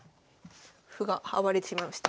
歩が暴れてしまいました。